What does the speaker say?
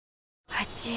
あちぃ。